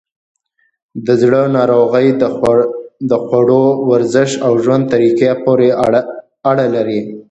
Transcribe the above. د زړه ناروغۍ د خوړو، ورزش، او ژوند طریقه پورې اړه لري.